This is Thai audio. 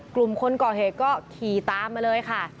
กลุ่มคนก่อเหตุก็ขี่ตามมาเลยค่ะ